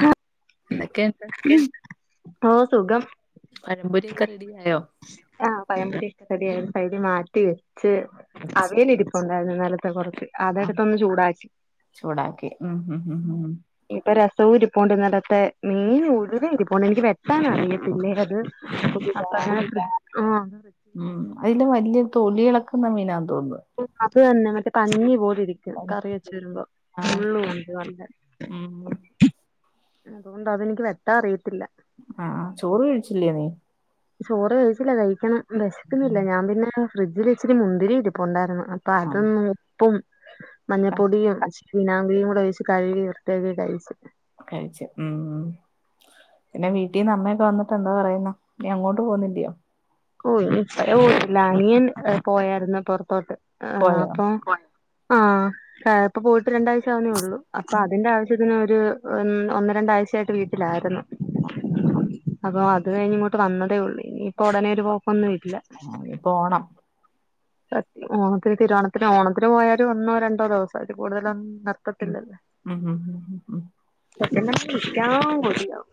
ഹ എന്തൊക്കെയൊണ്ട് ഓഹ് സുഖം പഴംമ്പൊരി ഒക്കെ റെഡിയായോ ആഹ് പഴംമ്പൊരി റെഡിയായ് ഒരുസൈടി മാറ്റി വെച്ച് വെച്ച് അവിയൽ ഇരിപ്പൊണ്ട് ത് ഇന്നലത്തെ കൊറച്ച് ആ അതെട്ത്തൊന്ന് ചൂടാക്കി ചൂടാക്കി ഉം ഉം ഉം ഉം ഇപ്പൊ രസവു ഇരിപ്പോണ്ട് ഇന്നലത്തെ മീൻ ഒഴ്കെ ഇരിപ്പൊണ്ട് എനിക്ക് വെട്ടാൻ അറിയത്തില്ലേ അത് പുതിതാ അത്രന്നെപ്പ ആഹ് ഉം അയില് വല്യ തൊലി എളക്കുന്ന മീനാന്ന് തോന്നു അത് തന്നെ മറ്റേ പഞ്ഞി പോലിരിക്കു കറി വെച്ച്വരുമ്പോ ആ മുള്ളു ഒണ്ട് നല്ലെ ഉം അതുകൊണ്ട് അതെനിക്ക് വെട്ടാ അറിയത്തില്ല ആഹ് ചോറ് കഴിച്ചില്ല്യേ നീ ചോറ് കഴിച്ചില്ല കഴിക്കണം വെശക്ക്ന്നില്ല ഞാൻ പിന്നെ ഫ്രിഡ്ജിൽ ഇച്ചിരി മുന്തിരി ഇരിപൊണ്ടാരുന്നു അപ്പൊ ആ അതും ഉപ്പും മഞ്ഞപ്പൊടിയും ഇച്ചിരി വിനാകിരീം കൂടൊഴിച്ച് കഴവി വൃത്തിയാക്കി കഴിച്ച് കഴിച്ച് ഉം പിന്നെ വീട്ടീന്ന് അമ്മയൊക്കെ വന്നിട്ട്ന്താ പറയുന്നു നീ അങ്ങോട്ട് പോകുന്നില്ലയോ ഓഹ് [unintelligible] അനിയൻ പോയാരുന്നു പുറത്തോട്ട് പോയോ അപ്പം ആഹ് ഇപ്പ പോയിട്ട് രണ്ടാഴ്ചവുന്നേ ഉള്ളൂ അപ്പോ അതിന്റെ ആവശ്യ ന് ഒരു ഒന്ന് രണ്ടാഴ്ച്ചയായിട്ട് വീട്ടിലായിരുന്നു അപ്പോ അത് കഴിഞ്ഞ് ഇങ്ങോട്ട് വന്നതേ ഉള്ളൂ ഇനിയിപ്പൊ ഉടനെ ഒരു പോക്കൊന്നും ഇല്ല ആഹ് ഇനി ഓണം ഓണത്തിന് തിരുവോണത്തിന് ഓണത്തിന് പോയ ഒരു ഒന്നോ രണ്ടോ ദിവസം അതിൽ കൂടുതലൊന്നും ഉം നിർത്തത്തില്ലല്ലോ ഉം ഉം ഉം ഉം പെട്ടന്നൊന്ന് വിളിക്കാൻ കൊതിയാകും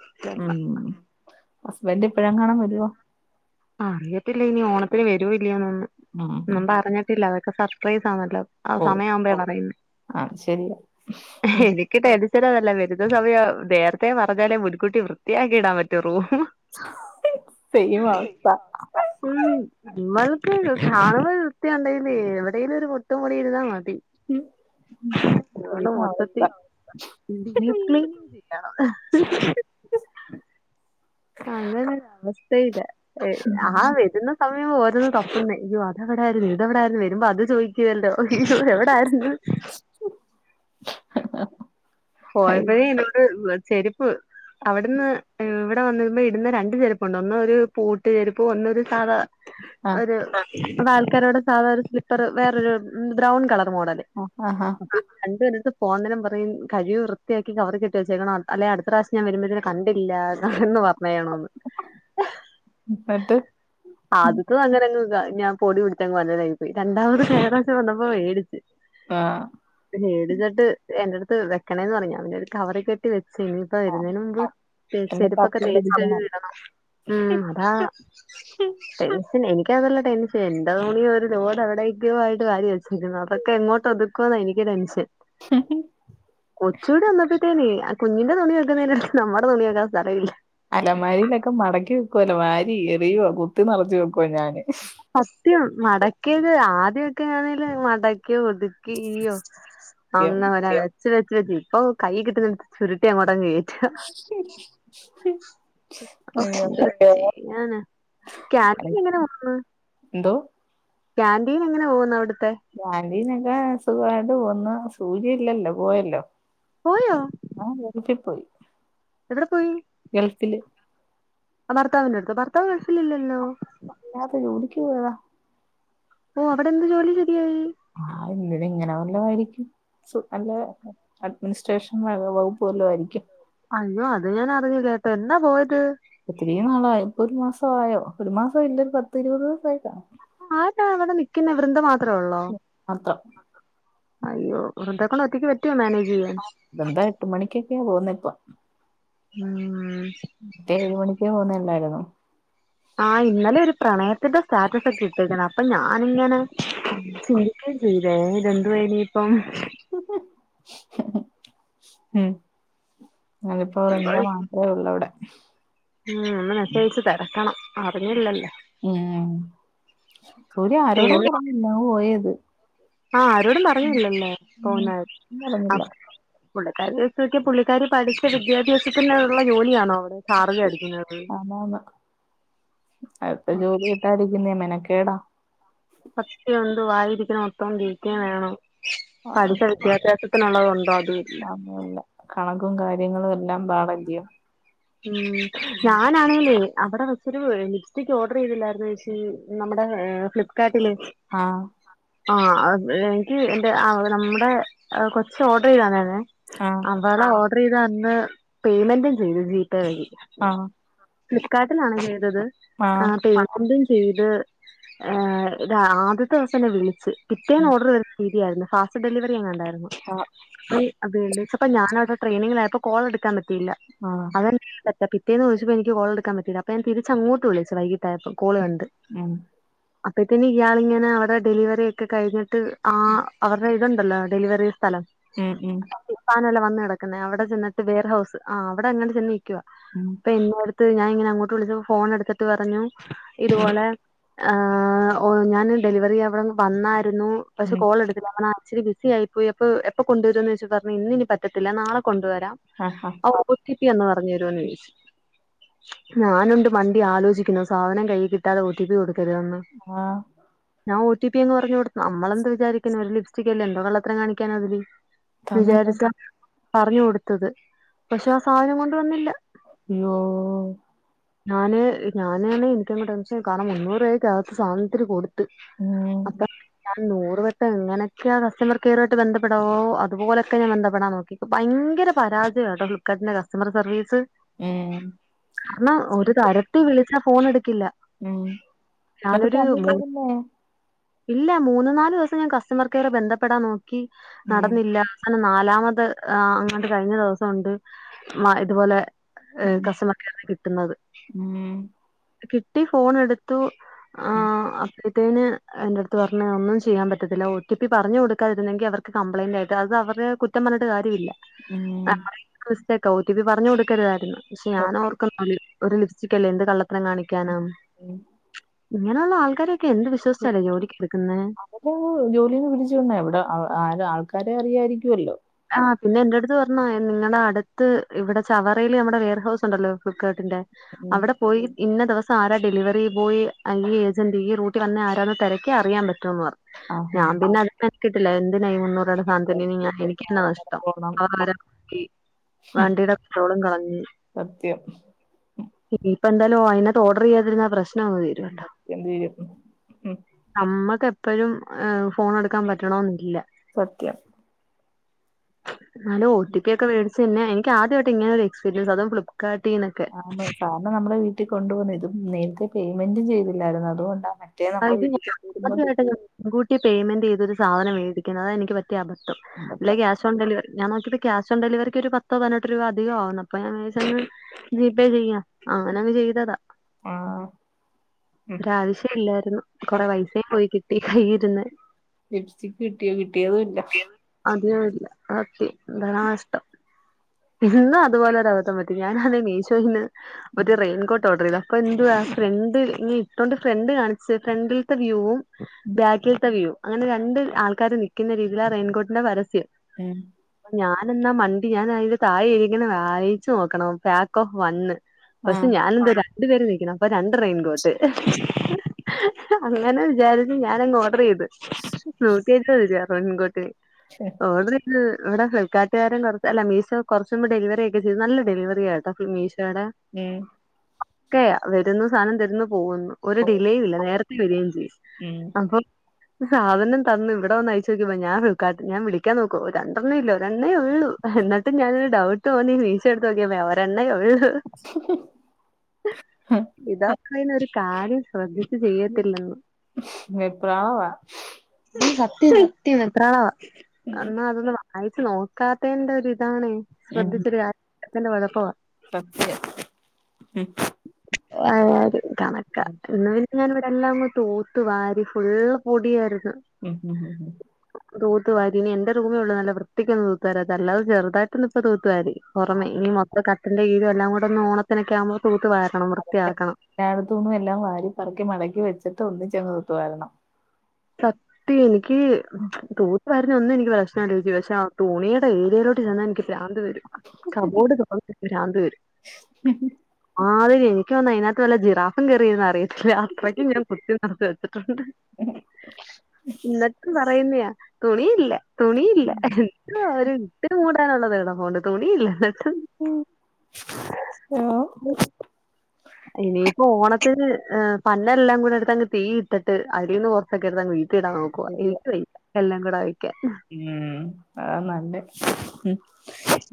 ഉം ഹസ്ബന്റ് ഇപ്പഴങ്ങാനും വരുവോ ആ അറിയത്തില്ല ഇനി ഓണത്തിന് വരുവോ ഇല്ലെ ഒന്നും. ഉം ഉം ഒന്നും പറഞ്ഞി പില്ല അതൊക്കെ സർപ്രൈസ് ആണല്ലോ ആ ഓ സമയ ആവുമ്പോ പറയുന്നെ അത് ശരിയാ ഉം ക്ക് ടെൻഷനതല്ല വരുന്ന സമയം നേരത്തെ പറഞ്ഞാലേ മുൻകുട്ടി വൃത്തിയാക്കിയിടാൻ പറ്റു റൂം സൈം അവസ്ഥ ഉംനമ്മൾക്ക് കാണുമ്പോ ഒരു വൃത്തി ഉണ്ടെങ്കിലും എവിടെലും ഒരു പൊട്ടും പൊടിയും ഇരുന്നാൽ മതി ഉം അതോണ്ട് സെയിം അവസ്ഥ മൊത്തത്തിൽ അവസ്ഥ [unintelligible] ക്ലീനിങ് ചെയ്യണം അങ്ങനെ അവസ്ഥയില്ല അയ്യോ ആ വെരണം സമയം പോം ഓരോ തപ്പുന്നെ യ്യോ അത് എവിടാരുന്നു ഇതെവെടാരുന്നു വെരുമ്പോ അത് ചോയ് ക്യുല്ലോ ഇയ്യോ എവടാരുന്നു അ പോഴപ്പഴേ എന്നോട് ചെര്പ്പ് അവ്ട്ന്ന് എ ഇടെ വന്നിരുമ്പോ ഇട്ന്നെ രണ്ട് ചെരുപ്പുണ്ട് ഒന്ന് ഒരു പൂട്ടു ചെരുപ്പും ഒന്ന് ഒരു സാധാ ആഹ് ഒരു ഇവടെ ആൾക്കാര്ട സാധാ ഒരു സ്ലിപ്പറ് വേറൊരു ബ്രൗൺ കളർ മോഡല് അ ഹ ഹ അഹ്‌ രണ്ടും എന്റെട്ത്ത് പോന്നരം പറയും കഴുകി വൃത്തിയാക്കി കവറി കെട്ടി വെച്ചേക്കണം അല്ലെ അടുത്ത പ്രാവശ്യം ഞാൻ വെരുമ്പോത്തിന് കണ്ടില്ല കാണണംന്ന് പർ വേണൊന്ന് എന്നിട്ട് ആദ്യത്തതും അങ്ങനങ് ഞാൻ പൊടി പിടിച്ച് [unintelligible] പോയി രണ്ടാമത് കയ്ഞപ്രാശ്യം വന്നപ്പോ വേടിച്ച് ആഹ് ത് മേടിച്ച്ട്ട് എന്റെട്ത്ത് വെക്കണെന്ന് പർഞ്ഞു ഞാൻ പിന്നെ ഒരു കവറി കെട്ടി വെച്ച് പ്പ വെര്ന്നേന് മുമ്പ് എന്നെ ചെരുപ്പൊക്കെ തപ്പി തേച്ച് പിടിക്കണം കഴികിടണം ഉം അതാ [inaudible] പിന്നെ എനിക്കതല്ല ടെൻഷൻ എന്റെ തുണി ഒരു ലോഡ് എവിടേയ്ക്കോ ആയിട്ട്‌ വാരി വെച്ചിരിക്കുന്നു അത് ക്കെ എങ്ങോട്ടൊതുക്കുന്ന എനിക്ക് ടെൻഷൻ ഉം ഉം കൊച്ചൂടെ വന്നപ്പോത്തേനെ അ കുഞ്ഞിന്റെ തുണി വെക്കുന്നേന്റെടക്ക്‌ നമ്മടെ തുണി വെക്കാൻ സ്ഥലമില്ല അലമാരിയിലൊക്കെ മടക്കി വെക്കുവല്ലോ വാരി എറിയോ കുത്തി നറച്ചു വെക്കുവാ ഞാന് ഫസ്റ്റ് മടക്കിയത് ആദ്യ ക്കാണെങ്കിൽ മടക്കി ഒതുക്കി യ്യോ അ സത്യം. ഒന്നു ഇവരറിയാ ച്ച് വെച്ചാ തി ഓ കയ്യ് കിട്ടുന്നത് ചുരുട്ടി അങ്ങോട്ടങ്ങേറ്റ [inaudible] ഓ അയ്യോ ആന്ന് ക്യാമി എങ്ങനെ വന്ന് [unintelligible] എന്തോ ക്യാന്റീൻ എങ്ങനെ പോകുന്നു അവ്ട്ത്തെ ക്യാന്റീനൊക്കെ സുഖായിട്ട് പോന്നു സൂര്യ ഇല്ലല്ലോ പോയല്ലോ പോയോ അവൻ വീട്ടിൽ പോയി എവടെ പോയി ഗൾഫില് ആ ഭർത്താവിന്റട്ത്ത് ഭർത്താവ് ഗൾഫില്ലല്ലോ അല്ലാതെ [unintelligible] ഓ അവടെ എന്ത് ജോലി ശെരിയായി ആഹ് ഇങ്ങനെ ഇങ്ങനെ വല്ലായിരിക്കും സു അല്ലേ അഡ്മിനിസ്ട്രേഷൻ വകുപ്പ് വല്ലോ ആയിരിക്കും അയ്യോ അത് ഞാൻ അറിഞ്ഞില്ലട്ടോ എന്നാ പോയത് ഒത്തിരി നാളായോ ഇപ്പൊ ഒരു മാസായോ ഒരു മാസ ഇല്ല ഒരു പത്ത് രുപത് ദിവസായി കാണും അതെന്താ അവടെ നിക്കുന്നെ വൃന്ദ മാത്രെ ഒള്ളോ മാത്രം അയ്യോ വൃദ്ദേക്കൊണ്ട് ഒറ്റക്ക് പറ്റോ മാനേജെയ്യാൻ വൃന്ത എട്ട് മണിക്കൊക്കെ പോന്നെ പ്പം ഉം റ്റേ ഏഴ് മണിക്ക് പോകുന്നല്ലായിര്ന്നോ ആ ഇന്നലെ ഒരു പ്രണയത്തിന്റെ സ്റ്റാറ്റസ് ഒക്കെ ഇട്ടക്കാണ് അപ്പൊ ഞാാനിങ്ങനെ ആ ചിന്തിക്കുകയും ചെയ്ല്ലേ ഇത്ന്തുനിപ്പം മം അതിപ്പോ എന്താ അതേ ഉള്ള അവിടെ ഉം നമ്മസേച്ചച്ച് തിരക്കണം അറിഞ്ഞില്ലല്ലോ എം സൂര്യ ആരോട പിന്നെ പറഞ്ഞില്ല പോയത് ആഹ് ആരോടും പറഞ്ഞില്ലല്ലേ പോന്ന ഉം പറഞ്ഞില്ല പുള്ളിക്കാർോക്ക പുള്ളിക്കാരി പഠിച്ച വിദ്യാഭ്യാസത്തിന ഉള്ള ജോലിയാണോ അവിടെ ചാർജ് അടിക്കുന്നത് ആന്ന് അടുത്ത ജോലി കിട്ടാതിരിക്കുന്നേ മനക്കേടാ പറ്റയൊന്ത് വായിരിക്കുന്ന മൊത്തം ജീക്കാൻ വേണം പഠിച്ച വിദ്യാഭ്യാസ അത്ര നുള്ള വന്നത് അതല്ല കണകും കാര്യങ്ങളും എല്ലാം പാടന്ല്്യം ഉം ഞാനാണേലേ അവിടെ വച്ചരു ലിപ്സ്റ്റിക് ഓർഡർ ചെയ്തില്ലായിരരുന്നുച്ചി നമ്മുടെ ഫ്ലിപ്കാർട്ടില് ആഹ ആ എനിക്ക് എന്റെ നമ്മുടെ കൊച്ച ഓർഡർ ചെയ്തന്നന്നെ ആഹ വള ഓർഡർ ചെയ്ത് അന്ന് പേയ്മെന്റും ചെയ്തു ജിപേ വഴി ആഹ് ഫ്ലിപ്പ്കാർട്ടിലാണ് ചെയ്തത് ആഹ് അ എന്തും ചെയ്ത് ഹ ആദ്യത്തെ ദിവസം എന്നെ വിളിച്ചച്ച് പിറ്റേ ൻ ഉം ഓർഡർ ശരിയായിരുന്നു ഫാസ്റ്റ് ഡെലിവറിങ്ങണ്ട്യിരുന്നു ആഹ് അതേണ്ട് ഇപ്പ ഞാന അവിടെട്രെനിങ്ങിലായപ്പോ കോൾ എടുക്കാൻ പറ്റയില്ല ആഹ റ്റ പിത്തേന്ന് ചദിച്ചപ്പോ എക്ക് കോള എടുക്കാ പറ്റില്ലല്ല അ ഞൻ തിരി അങ്ങോട്ട് വിളിച്ച വൈിട്ടായപ്പോം കോള് കണ്ട് ഉം അപ്പഴത്ത ഇയാള ഇങ്ങെ അവിടെ ഡെലിവറി ഒക്കെ കഴിഞ്ഞിട്ട് ആ അവരുടെ ഇതുണ്ടല്ലോ ഡെലിവറി സ്ഥലം ഉം ഉം പാനല്ല വന്ന കിക്കുന്നേ അവിടെ ചെന്നി് വർ ഹൗസ് ആഹ അവിടെ അങ്ങട്ട് ചെന്നി നികുവാ ഉം എ അടുത്ത് ഞാൻ ഇങ്ങനെ അങ്ങോട്ട് വിളിച്ച ഫോൺ എടുത്തിട്ട് പറഞ്ഞു ഉം ഇതുപോലെ ആ ഓ ഞാാന് ഡെലിവറി അവിടെ വന്നായിരുന്നു പക്ഷെ ഉം കോൾ എടു ആച്ചരി ബിസി ആയി പോയി അപ്പൊ എപ്പൊ കൊണ്ടുവരരുന്ന് വെച്ച പറഞ്ഞു ഇന്ന ഇനി പറ്റത്തി നാളെ കൊണ്ടുവരാം ആഹ് ആഹ് ആ ഒ ടി പി എന്ന് പറഞ്ഞു തരുമന്ന് ചോയിച്ചു ഞാനുണ്ട് മണ്ടി ആലോചിക്കുന്നു സാധനം കൈയി കിട്ടാതെ ഒ ടി പി കൊടുക്കരുന്ന് ആഹ ഞാ ഒ ട്ടി പി അങ് പർഞൊട്ത്ത് ഞമ്മളെന്ത് വിചാരിക്ക്ന്നു ഒര് ലിഫ്റ്റികെല്ലല്ലോ കള്ളത്തരം കാണികാനാതില് വിചാര്ക്ക തന്നില്ലെങ്കിൽ പറഞ്ഞു കൊടുത്തത് പക്ഷെ ആ സാധനം കൊണ്ട് വന്നില്ല ഇയ്യോ ഞാന് ഞാനാണ് എനിക്കന്ന് ടെൻഷൻ കാരണം മുന്നൂറേറ്റാ സാധൻത്തില് കൊടുത്ത് മ് ങനെ അക്ക ഞാൻ ന്നൂറ് വട്ടം എങ്ങനൊക്യാ കസ്റ്റമർ കെയറോആയിട്ട് ബന്ധപ്പെടാവോ അതുപോലൊക്കെ ഞാൻ ബന്ധപ്പെടാം ന്നോക്കി ഭയങ്കര പരാജയാട്ടം ഫ്ലി്കാർട്ടിന്റെ കസ്റ്റമർ സർവീസ് ഉം ന്നാ ഓല് തരട്ടെ [unintelligible] ന്നാ ഫോണെടുക്കില്ല ഉം എന്നിട്ട് ഞാനൊര് മൂ തന്നില്ലേ പിന്നെ ഇല്ല മൂന്ന് ന്നാല് ദിവസം ഞാൻ കസ്റ്റമർ കെയറെ ബന്ധപ്പെടാം ന്നോക്കി ഉം ന്നടന്നില്ല അതെന്നെ ന്നാലാമത് ആഹ് അങ്ങട്ട് കഴിഞ്ഞ ദിവസം ഒണ്ട് മ ഇതുപോലെ ഉം കസ്റ്റമർക്കാണ് കിട്ടുന്നത് ഉം കിട്ടി ഫോണെടുത്തു ആ ഉം അഹ് ത്തേന് എൻ്റെട്ത്ത് പർഞ്ഞ് ഒന്നും ചെയ്യാൻ പറ്റത്തില്ല ഒ ടി പി പറഞ്ഞു കൊടുക്കാതിരുന്നെങ്കി അവർക്ക് കംപ്ലയിന്റായിട്ട് അത് അവരെ കുറ്റ റ്റം പർഞ്ഞിട്ട് കാര്യല്ല ഏഹ് മിസ്റ്റേക്ക ഒ ടി പി പറഞ്ഞു കൊടുക്കരുതായിരുന്നു പക്ഷേ ഞാന് ഓർക്ക ഒര് ഒരു ലിപ്സ്റ്റിക്കെല്ലേ എന്ത് കള്ള ത്തരം കാണിക്കാനാന്ന് സത്യം ഇങ്ങനെയുള്ള ആൾക്കാരൊക്കെ എന്ത് വിശ്വാസിച്ചാലേ ജോലിക്ക് എടുക്കുന്നേ എപോൾ ജോലീന്ന് പിരിച്ചുവിടണെ ഇവിടെ അവ് ആര് ആൾക്കാരെ അറിയായിരിക്കുല്ലോ ആഹ് പിന്നെ എന്റ അടുത്ത് പറഞ്ഞു നിങ്ങളടെ അടുത്ത് ഇവിടെ ചവറേല് അമ്മുടെ വെയർ ഹൗസ് ഉണ്ടല്ലോ ഫ്ലിപ്പ്കാർട്ടിന്റെ ഉം അവിടെ പോയി ഇന്ന ദിവസം ആരാ ഡെലിവറി ബോയ് അല്ലേ ഏജന്റ് ഈ റൂട്ടി വന്നെ ആരാന്ന് തെരക്യാ അറിയാം പറ്റോന്നുറി ആഹ് ആഹ് ഞാം പിന്നെ അത് മെനകീട്ടില്ല എന്തിനാ ഈ മുന്നൂറ് രൂപേടെ സാനത്തിന് സത്യം [unintelligible] ഇനിക്കെന്ന അവിടെ നഷ്ടം പോണം അവിടെ വരെ പോയി വണ്ടിടെ പെട്രോളും കളഞ്ഞ് സത്യം ഇനീപ്പോ എന്തായാലും അയ്നത്ത് ഓഡർ എയ്യാതിരുന്ന പ്രശ്നാവോയ് അപ്പെന്ത് എയ്യും മ് ന്നമ്മക്ക് എപ്പഴും ഫോണ് എടുക്കാം പറ്റണോന്നില്ല സത്യം ന്നലോം ഒ ടി പി ഒക്കെേ വേട്ച്ച് എന്നെ എനിക്ക് ആദ്യ ആയിട്ടാ ഇങ്ങനെ ഒര് എക്സ്പീരിയൻസ് അതും ഫ്ലിപ്പ്കാട്ടീന്നൊക്കെ കാരണം ന്നമ്മളെ വീട്ടിൽ കൊണ്ടു വന്ന് ഇതും നേര്ത്തെ പേയ്മെന്റും ചെയ്തില്ലായിരുന്നു അതുകൊണ്ടാ ണ് റ്റേ ന്നമ്മള് വീട്ട്ക്ക വെരുമ്പത് [unintelligible] ൻകൂട്ടി പെയ്മെന്റയ്തൊരു സാധനംവേടിക്കണം അതാ എനിക്ക്പറ്റിയ അബദ്ധം അബദ്ധം അല്ലെങ്കി ക്യാഷ് ഓൺ ഡെലിവറി ഞാൻ നോക്കിയപ്പോ ക്യാഷോൺ ഡെലിവറിക്ക് ഒരു പത്തോ പതിനട്ട് രൂപ അധികം ആവും അപ്പ ഞാ വിജാരിചെന്ന ജി പേ ചെയ്യാ അങ്ങന അങ്ങ് ചെയ്തതാ ആഹ് ഉം ഒരാവശ്യ ഇല്ലായ്രുന്നു കൊറെ വൈഫെയിം പോയി കിട്ടി കയ്യിര്ന്ന് ലിപ്സ്റ്റിക് കിട്ടിയോ കിട്ടിയതുല്ല അതിനൂല്ല [unintelligible] നഷ്ടം ഇന്നും അതുപോലെ ഒരഅബദ്ധം പറ്റി ഞാനാണ് മീഷോയിന്ന് ഉം ഒര് റെയിൻകോട്ട് ഓഡറെയ്താ ഇപ്പ എന്തുവാ ഫ്രണ്ട് ഇനി ഇട്ടോണ്ട് ഫ്രണ്ട് കാണിച്ച് ഫ്രണ്ടിൽത്തെ വ്യൂവും ബാക്കിൽത്തെ വ്യൂയും അങ്ങനെ രണ്ട് ആൾക്കാര് ന്നിക്കുന്ന രീതിയിലാ റെയിൻകോട്ടിന്റെ പരസ്യം ഉം ഞാനെന്നാ മണ്ടി ഞാൻ അയ്ന്റെ താഴെ എഴുതീക്ക്ണെ വായീച്ചു ന്നോക്കണം പാക്ക് ഓഫ് വണ്ണ് പക്ഷെ ആഹ് ഞാൻ എന്തുടാ ണ്ട് പേര് നിക്കണ് അപ്പൊ രണ്ട് റെയിൻകോട്ട് അങ്ങനെ വിചാരിച്ച് ഞാനങ്ങ് ഓഡറ് ചെയ്ത് ശ്ശെ നോക്കീട്ടെന്നെല്യാ റെയിൻകോട്ട് ക്ഷെ ഓർഡർ ചെയ്ത് ഇവിടെ ഫ്ലി്കാർട്ട്കാര കുറച്ചല്ല മീഷോ കുറച്ചുമ്പ ഡെലിവറി ഒക്കെ ചെയ്തു നല്ല ഡെലിവറിയട്ടോ മീഷോയുടെ ഉം ഒക്കെയാ വരുന്നു സാധനം തരുന്നു പോകുന്നു ഒരു ഓ, ഡിലേ ഇല്ല നേരത്തെ വരികയും ചെയ്യും ഉം അപ്പം സാധനം തന്ന് ഇവിടെ ഒന്ന് അഴിച്ചു നോക്കിയപ്പോൾ ഞാൻ ക്കാ ഞാ വിളാൻ നോക്കോ രണ്ടെണ്ണം ഇല്ലോ രന്നെ ഉള്ളു എന്നിട്ട് ഞാനൊരു ഡൗട് തോന്നി മീശോ എടുത്ത് നോക്കിയപ്പോൾ രെണ്ണേ ഉള്ളൂ ഇതാ പറയുന്നേ ഒരു കാര്യം ശ്രദ്ധിക്കു ചെയ്യത്തില്ലന് വെപ്രാളവാ സത്യ സത്യ വെപ്രാളം ഉം ആ എന്നാ അതൊന്നന്ന് വായിച്ചു നോക്കാത്തന്റെ ഒരു ഇതാണ് ഉം ശ്രദ്ധിച്ചരു കാര്യ ത്തിന്റെ കുഴപ്പം ആ സത്യം ഉം ആഹാ അതും കണക്കാ ഞാന ഇവിടെ എല്ലാം തൂത്തു വാരി വാരി ഫുള്ള് പൊടിയായിരുന്നു മ് മ് മ് മ് തൂത്തുവാരിനി ഇനി എന്റെറെ റൂമേ ഉള്ളൂ നല്ല വൃത്തിക്കൊന്ന് തൂത്തുവാരത്ത അല്ലതെ ചെറുതായിട്ട്ന്ന ഇപ്പപ്പോ തൂത്തുാരി പുറമേ ഇനി മൊത്തം കട്ടിലിന്റെ കിഴേ എല്ലാം കൂടെ ഒന്ന് ഓണത്തിനൊക്കെ ആകുമ്പോൾ തൂത്തു വരണം വൃത്തിയാക്കണം ആഹ എല്ലാടത്തുന്നും എല്ലാം വാരി പറക്കി മടക്കി വെച്ചട്ട് ഒന്നിച്ചാങ് തൂത്തു വരണം സത്യം എനിക്ക് തൂത് വരുന്ന ഒന്നും എക്ക് പ്രശ്നംല്ലോചിച്ചു പക്ഷെ ആ തുണിടെ ഏരിയയിലോട്ട് ചെന്നാ എനിക്ക് പ്രരാന്ത് വരും കബോർഡ് തുറന്ന പ്രാന്ത് വരും ആഹ അതെ എനിക്ക് തോനുന്നു അതിനകത്ത് വല്ല ജിറാഫും കയറിയന്ന് അറിയത്തില്ലേ അത്രക്കും ഞാൻ കുത്തി നിറത്തി വെച്ചിട്ടുണ്ട് ഇന്നട്ട് പറയുന്നയാ തുണിയില്ല തുണിയില്ല ഒരു ഇട്ട് മൂടാനുള്ളത് കിടപ്പുണ്ട് തുണിയില്ല എന്നിട്ട് മ് ഹലോ ഇനിയിപ്പോ ഓണത്തിന് പന്ന എല്ലാം കൂടെ എടുത്ത് അങ്ങ് തീ ഇട്ടിട്ട് അടിന്ന് സക്കടു വീട്ടിടാൻ നോക്കുവാ ശരിയാ എനിക്ക് വയ്യ എല്ലാം കൂടെ വെക്കാൻ ഉം അത നല്ല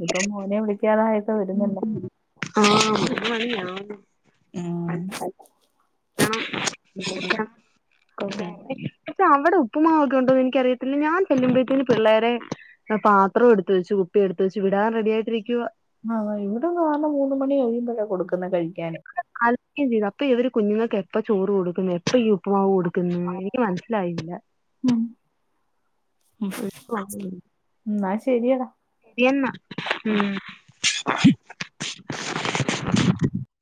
ഇപ്പൊ മോനെ വിളിക്കാതായക്കെ വരുന്നില്ല ആഹ അ മണില്ലണോ ഉംമ്മ് മ് [unintelligible] പക്ഷെ അവിടെ ഉപ്പുമാവ് ഒക്കെ ഉണ്ടോ എന്ന് എനിക് അറിയത്തില്ല ഞാൻ പെല്ലുമ്പഴത്തേന് പിള്ളേരെ പാത്രം എടുത് വെച്ചു കുപ്പി എടുത് വെച്ചു വിടാൻ റെഡി ആയിട്ടിരിക്കുവ ആഹ് ഇവിടെ കാരണം മൂന്ന് മണി കഴിയുമ്പോഴാ കൊടുക്കുന്ന കഴിക്കാന് [inaudible] ചെയ്തു അപ്പൊ ഇവര് കുഞ്ഞുങ്ങൾക്ക് എപ്പ ചോറ് കൊടുക്കുന്നു എപ്പ ഉപുമാവ് കൊടുക്കുന്നു എനിക്ക് മനസ്സിലായില്ല മ് എന്നാ ശരിയടാ ശരിയന്ന മ് [inaudible]